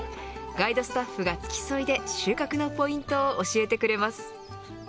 ガイドスタッフが付き添いで収穫のポイントを教えてくれます。